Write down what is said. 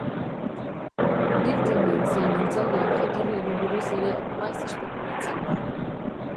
Biktimen zein hiltzaileen jatorriari buruz ere maiz espekulatzen da.